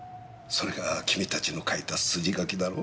それが君たちの書いた筋書きだろ？